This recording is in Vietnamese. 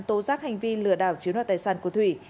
tố giác hành vi lừa đảo chiếm đoạt tài sản của thủy